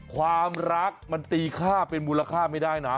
ความรักมันตีค่าเป็นมูลค่าไม่ได้นะ